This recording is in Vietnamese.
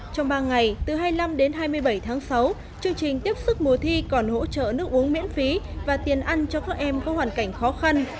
trong ba ngày từ hai mươi năm đến hai mươi bảy tháng sáu chương trình tiếp sức mùa thi còn hỗ trợ nước uống miễn phí và tiền ăn cho các em có hoàn cảnh khó khăn